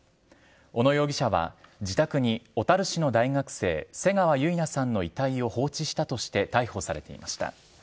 小野容疑者は自宅に小樽市の大学生、瀬川結菜さんの遺体を放置したとして逮捕されていました。